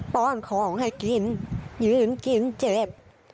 ป้อนของให้กินยืนกินเจ็บ